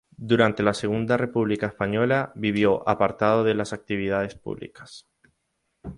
Durante la Segunda República Española vivió apartado de las actividades públicas.